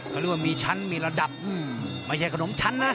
กำลังยังไม่ที่กระดำชั้นนะ